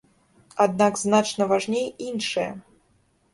Аднак значна важней іншае.